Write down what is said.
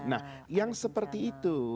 nah yang seperti itu